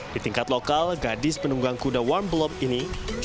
di tingkat lokal gadis penunggang kuda warm block ini